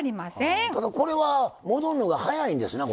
ただこれは戻るのが早いんですな。